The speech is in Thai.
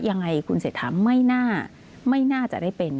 ยังไงคุณเศรษฐาไม่น่าจะได้เป็น